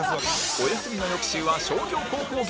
お休みの翌週は商業高校芸人